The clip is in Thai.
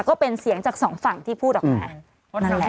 ก็เป็นเสียงจากสองฝั่งที่พูดออกมานั่นแหละ